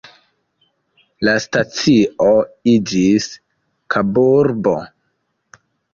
La stacio iĝis Kaburbo.